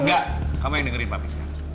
gak kamu yang dengerin papi sekarang